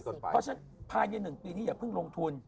เพราะฉะนั้นผ่านเย็นหนึ่งปีนี้อย่าเพิ่งลงทุน